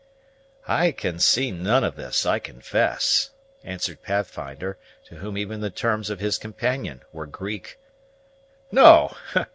"I can see none of this, I confess," answered Pathfinder, to whom even the terms of his companion were Greek. "No!